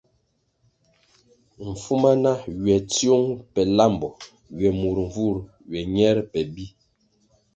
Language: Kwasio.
Mfuma na ywe tsiung pe lambo ywe mur mvur ywe ñer pe bi.